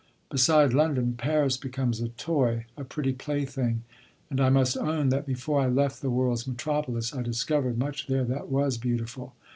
Beside London Paris becomes a toy, a pretty plaything. And I must own that before I left the world's metropolis I discovered much there that was beautiful.